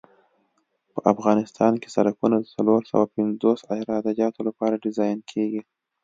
په افغانستان کې سرکونه د څلور سوه پنځوس عراده جاتو لپاره ډیزاین کیږي